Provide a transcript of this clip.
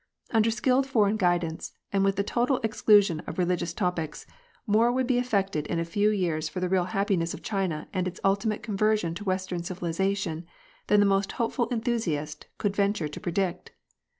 Under skilled foreign guidance, and with the total exclusion of religious topics, more would be effected in a few years for the real happiness of China and its ultimate conversion to western civilisation, than the most hopeful enthusiast could venture to predict.